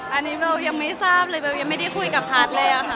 อันนี้ผมยังไม่ทราบเลยผมยังไม่ได้คุยกับภาษาเลย